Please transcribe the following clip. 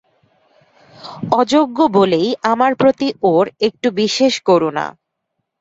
অযোগ্য বলেই আমার প্রতি ওঁর একটু বিশেষ করুণা।